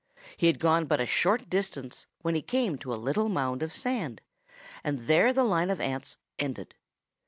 He had gone but a short distance when he came to a little mound of sand, and there the line of ants ended.